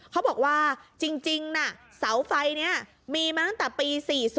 เขาบอกว่าจริงนะเสาไฟนี้มีมาตั้งแต่ปี๔๔